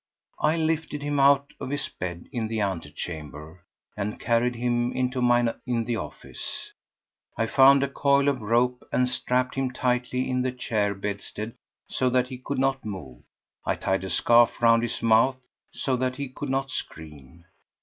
I lifted him out of his bed in the antechamber and carried him into mine in the office. I found a coil of rope, and strapped him tightly in the chair bedstead so that he could not move. I tied a scarf round his mouth so that he could not scream.